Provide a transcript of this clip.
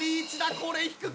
これ引くか？